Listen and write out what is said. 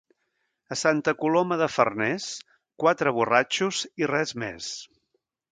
A Santa Coloma de Farners, quatre borratxos i res més.